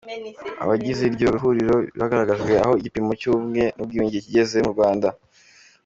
Abagize iryo huriro bagaragarijwe aho igipimo cy’ubumwe n’ubwiyunge kigeze mu Rwanda.